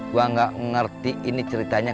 gue gak ngerti ini ceritanya